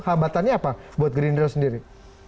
hambatannya apa buat gerindra sendiri